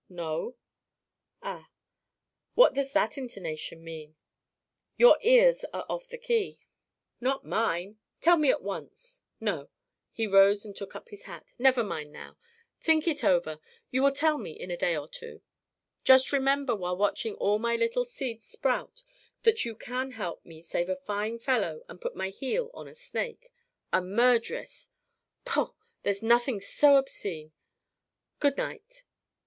"No." "Ah? What does that intonation mean?" "Your ears are off the key." "Not mine. Tell me at once No," He rose and took up his hat "never mind now. Think it over. You will tell me in a day or two. Just remember while watching all my little seeds sprout that you can help me save a fine fellow and put my heel on a snake a murderess! Paugh! There's nothing so obscene. Good night."